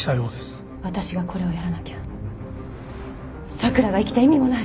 私がこれをやらなきゃ咲良が生きた意味もない！